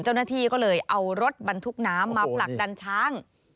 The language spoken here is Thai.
เจ้าหน้าที่ก็เลยเอารถบรรทุกน้ำมาผลักดันช้าง